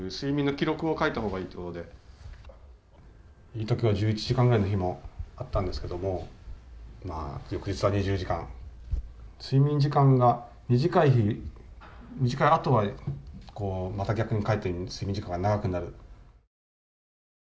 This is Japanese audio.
いいときは１１時間ぐらいの日もあったんですけど翌日は２０時間、睡眠時間が短いあとはまた逆にかえって睡眠時間が長くなる。